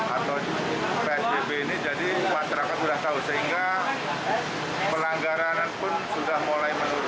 atau psbb ini jadi masyarakat sudah tahu sehingga pelanggaran pun sudah mulai menurun